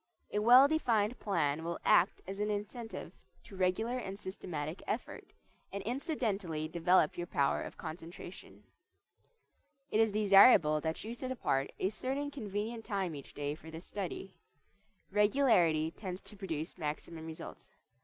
A well defined plan will act as an incentive to regular and systematic effort, and incidentally develop your power of concentration. It is desirable that you set apart a certain convenient time each day for this study. Regularity tends to produce maximum results.